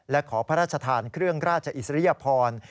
และขอพระราชทานเครื่องราชอิสริยพร